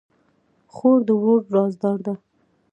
خور د ورور رازدار ده.